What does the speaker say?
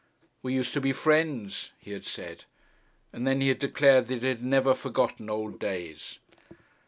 'We used to be friends,' he had said, and then he had declared that he had never forgotten old days.